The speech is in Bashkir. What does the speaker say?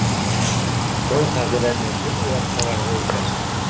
Был ҡағиҙәне кем уйлап сығарҙы икән?